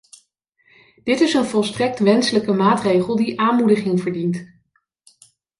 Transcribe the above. Dit is een volstrekt wenselijke maatregel die aanmoediging verdiend.